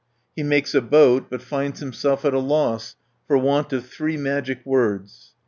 He makes a boat, but finds himself at a loss for want of three magic words (1 118).